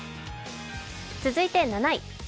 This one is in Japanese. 続いて７位。